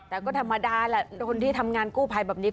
แต่ก็ธรรมดาแหละคนที่ทำงานกู้ภัยแบบนี้